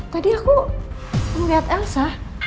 tadi aku ngeliat elsa